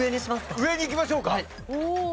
上でいきましょうか。